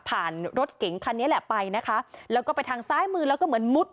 รถเก๋งคันนี้แหละไปนะคะแล้วก็ไปทางซ้ายมือแล้วก็เหมือนมุด